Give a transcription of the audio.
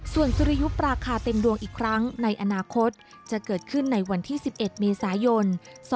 ส่วนสุริยุปราคาเต็มดวงอีกครั้งในอนาคตจะเกิดขึ้นในวันที่๑๑เมษายน๒๕๖